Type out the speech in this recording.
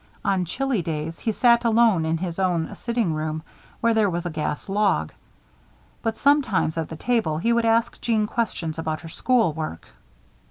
On chilly days, he sat alone in his own sitting room, where there was a gas log. But sometimes, at the table, he would ask Jeanne questions about her school work.